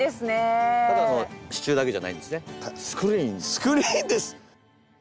スクリーンです。